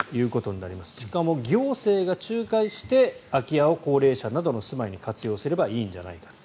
しかも行政が仲介して空き家を高齢者などの住まいに活用すればいいんじゃないかと。